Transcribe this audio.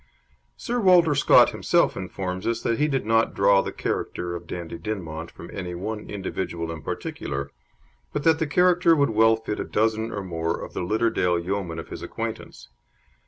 Sir Walter Scott himself informs us that he did not draw the character of Dandie Dinmont from any one individual in particular, but that the character would well fit a dozen or more of the Lidderdale yeomen of his acquaintance.